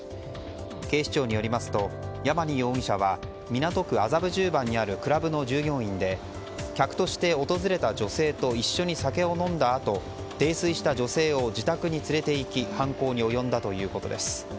警視庁によりますとヤマニ容疑者は港区麻布十番にあるクラブの従業員で客として訪れた女性と一緒に酒を飲んだあと泥酔した女性を自宅に連れていき犯行に及んだということです。